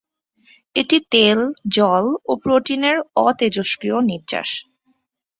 এটি তেল, জল ও প্রোটিনের অতেজস্ক্রিয় নির্যাস।